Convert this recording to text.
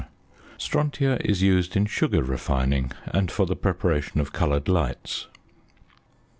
Strontia is used in sugar refining, and for the preparation of coloured lights.